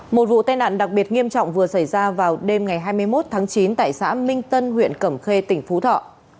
một vụ tai nạn đặc biệt nghiêm trọng vừa xảy ra vào đêm ngày hai mươi một tháng chín tại xã minh tân huyện cẩm khê tỉnh phú thọ